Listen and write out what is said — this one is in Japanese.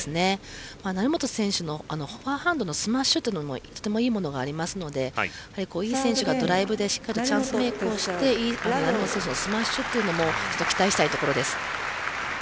成本選手のフォアハンドのスマッシュもとてもいいものがありますので井選手がドライブでしっかりとチャンスメークをして成本選手のスマッシュというのも期待したいところです。